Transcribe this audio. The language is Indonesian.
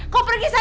kamu pergi sana